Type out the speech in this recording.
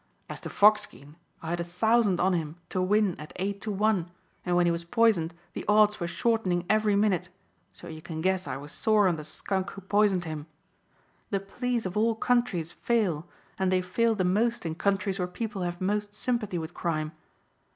As to Foxkeen I had a thousand on him to win at eight to one and when he was poisoned the odds were shortening every minute so you can guess I was sore on the skunk who poisoned him. The police of all countries fail and they fail the most in countries where people have most sympathy with crime.